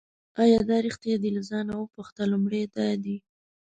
آیا دا ریښتیا دي له ځانه وپوښته لومړی دا دی.